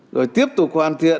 rồi tiếp tục hoàn thiện